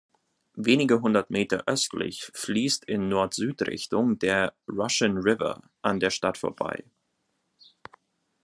Wenige Hundert Meter östlich fließt in Nord-Süd-Richtung der Russian River an der Stadt vorbei.